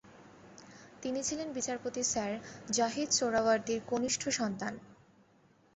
তিনি ছিলেন বিচারপতি স্যার জাহিদ সোহরাওয়ার্দির কনিষ্ঠ সন্তান।